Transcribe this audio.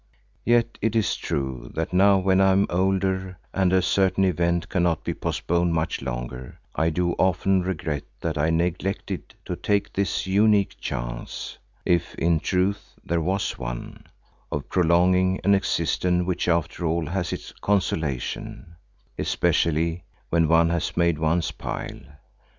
Yet it is true, that now when I am older and a certain event cannot be postponed much longer, I do often regret that I neglected to take this unique chance, if in truth there was one, of prolonging an existence which after all has its consolations—especially when one has made one's pile.